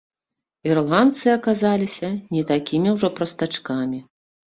Ірландцы аказаліся не такімі ўжо прастачкамі.